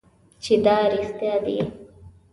چې دا رښتیا دي .